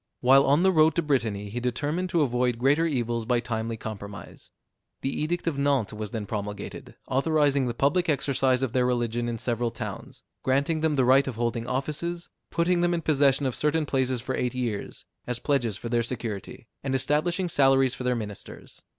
While on the road to Brittany, he determined to avoid greater evils by timely compromise. The edict of Nantes was then promulgated, authorizing the public exercise of their religion in several towns, granting them the right of holding offices, putting them in possession of certain places for eight years, as pledges for their security, and establishing salaries for their ministers.